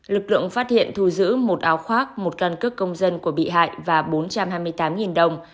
lực lượng phát hiện thu giữ một áo khoác một căn cước công dân của bị hại và bốn trăm hai mươi tám đồng